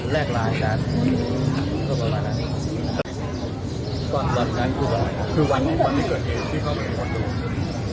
แล้วแล้วคุณหรือเป็นนี่อ่ะมาเจอ